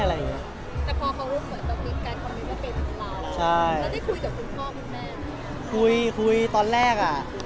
คุณพ่อแล้วตอนแรก